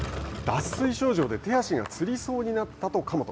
脱水症状で手足がつりそうになったと神本。